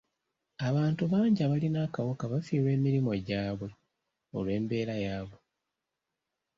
Abantu bangi abalina akawuka bafiirwa emirimu gyabwe olw'embeera yaabwe.